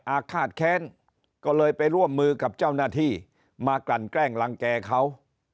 อาฆาตแค้นก็เลยไปร่วมมือกับเจ้าหน้าที่มากลั่นแกล้งรังแก่เขา